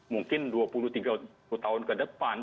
mungkin dua puluh tiga puluh tahun ke depan